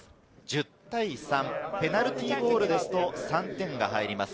１０対３、ペナルティーゴールですと、３点が入ります。